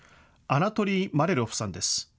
アナトリイ・マリャロフさんです。